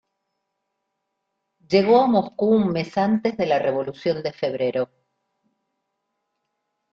Llegó a Moscú un mes antes de la Revolución de Febrero.